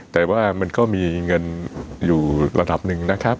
แต่ว่ามันก็มีเงินอยู่ระดับหนึ่งนะครับ